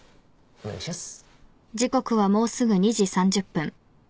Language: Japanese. お願いします。